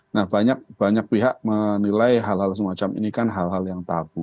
nah banyak pihak menilai hal hal semacam ini kan hal hal yang tabu